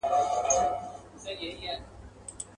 چي زموږ پر ښار باندي ختلی لمر په کاڼو ولي.